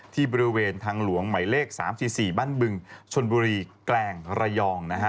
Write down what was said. ที่บริเวณทางหลวงหมายเลข๓๔๔บ้านบึงชนบุรีแกลงระยองนะฮะ